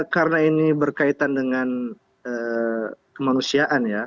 karena ini berkaitan dengan kemanusiaan ya